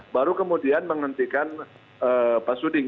baru kemudian menghentikan pak suding